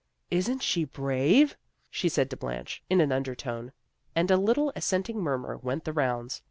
" Isn't she brave? " she said to Blanche, in an undertone, and a little assenting murmur went the rounds.